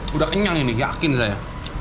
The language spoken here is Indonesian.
sudah kenyang ini yakin saya